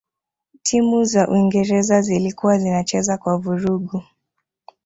timu za uingereza zilikuwa zinacheza kwa vurugu